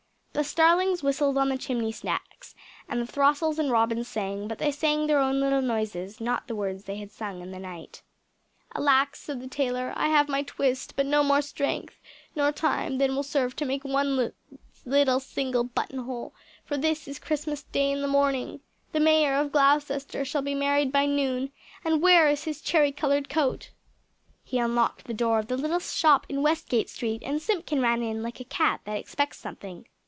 The starlings whistled on the chimney stacks, and the throstles and robins sang but they sang their own little noises, not the words they had sung in the night. "Alack," said the tailor, "I have my twist; but no more strength nor time than will serve to make me one single button hole; for this is Christmas Day in the Morning! The Mayor of Gloucester shall be married by noon and where is his cherry coloured coat?" He unlocked the door of the little shop in Westgate Street, and Simpkin ran in, like a cat that expects something.